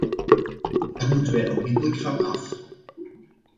Daar moeten wij onmiddellijk van af.